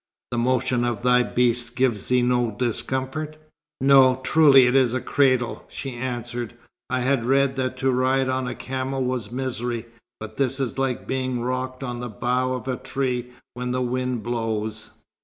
"The motion of thy beast gives thee no discomfort?" "No. Truly it is a cradle," she answered. "I had read that to ride on a camel was misery, but this is like being rocked on the bough of a tree when the wind blows."